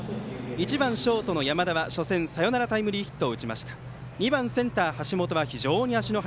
１番ショートの山田は初戦でサヨナラタイムリーヒット。